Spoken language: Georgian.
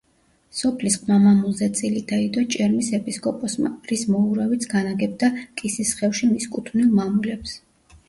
სოფლის ყმა-მამულზე წილი დაიდო ჭერმის ეპისკოპოსმა, რის მოურავიც განაგებდა კისისხევში მის კუთვნილ მამულებს.